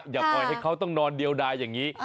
อย่าปล่อยให้เขาต้องนอนเดียวดายอย่างนี้